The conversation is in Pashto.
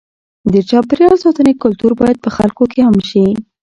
د چاپېریال ساتنې کلتور باید په خلکو کې عام شي.